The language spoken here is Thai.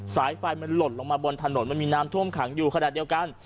สายไฟมันหล่นลงมาบนถนนมันมีน้ำท่วมขังอยู่ขนาดเดียวกัน